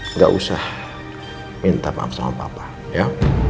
engga usah minta maaf sama papa ya